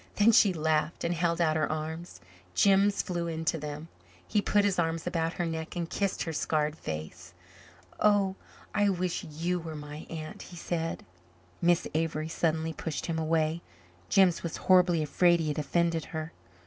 Then she laughed and held out her arms. Jims flew into them. He put his arms about her neck and kissed her scarred face. "Oh, I wish you were my aunt," he said. Miss Avery suddenly pushed him away. Jims was horribly afraid he had offended her.